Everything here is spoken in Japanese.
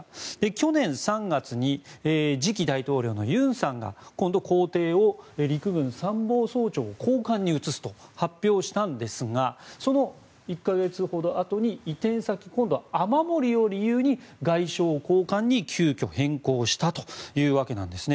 去年３月に次期大統領の尹さんが今度、公邸を陸軍参謀総長公館に移すと発表したんですがその１か月ほどあとに、移転先今度は雨漏りを理由に外相公館に急きょ変更したというわけなんです。